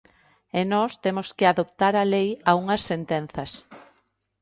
E nós temos que adoptar a lei a unhas sentenzas.